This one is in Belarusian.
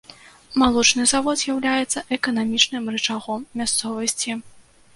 Малочны завод з'яўляецца эканамічным рычагом мясцовасці.